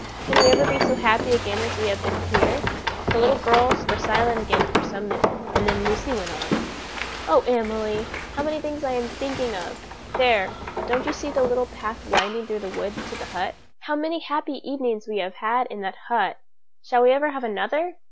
Can we ever be so happy again as we have been here?" The little girls were silent again for some minutes, and then Lucy went on: "Oh, Emily! how many things I am thinking of! There don't you see the little path winding through the wood to the hut? How many happy evenings we have had in that hut! Shall we ever have another?